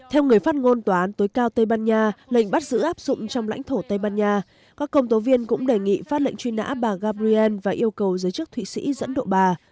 theo người phát ngôn tòa án tối cao tây ban nha lệnh bắt giữ áp dụng trong lãnh thổ tây ban nha các công tố viên cũng đề nghị phát lệnh truy nã bà gabriel và yêu cầu giới chức thụy sĩ dẫn độ bà